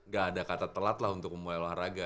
gak ada kata telat lah untuk memulai olahraga